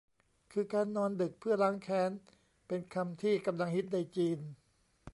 คือ "การนอนดึกเพื่อล้างแค้น" เป็นคำที่กำลังฮิตในจีน